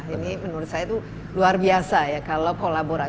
ini menurut saya itu luar biasa ya kalau kolaborasi